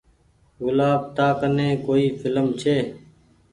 گلآب تا ڪني ڪوئي ڦلم ڇي۔